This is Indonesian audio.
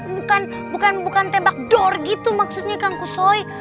bukan bukan bukan tembak dor gitu maksudnya kang kusoy